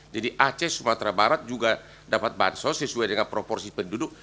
jadi aceh sumatera barat juga dapat bansos sesuai dengan proporsi penduduk